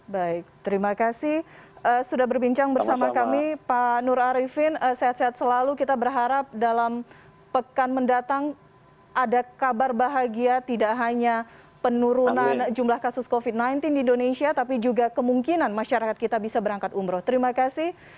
baik terima kasih sudah berbincang bersama kami pak nur arifin sehat sehat selalu kita berharap dalam pekan mendatang ada kabar bahagia tidak hanya penurunan jumlah kasus covid sembilan belas di indonesia tapi juga kemungkinan masyarakat kita bisa berangkat umroh terima kasih